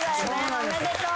おめでとう。